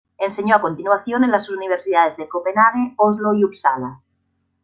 Enseñó a continuación en las universidades de Copenhague, Oslo y Upsala.